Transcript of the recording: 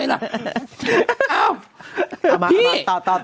เอามาต่อต่อ